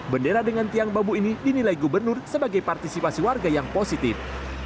bendera dengan tiang bambu ini dinilai gubernur sebagai partisipasi warga yang positif